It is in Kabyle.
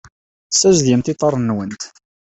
Tessazedgemt iḍarren-nwent.